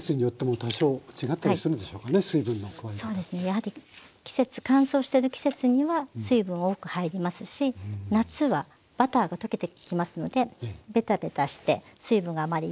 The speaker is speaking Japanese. やはり乾燥してる季節には水分多く入りますし夏はバターが溶けてきますのでベタベタして水分があまりいらない感じです。